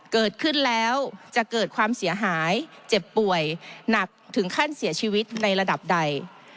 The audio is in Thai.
เกิดขึ้นแล้วจะเกิดความเสียหายเจ็บป่วยหนักถึงขั้นเสียชีวิตในระดับใด